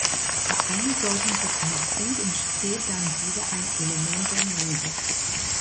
Bei einer solchen Verknüpfung entsteht dann wieder ein Element der Menge.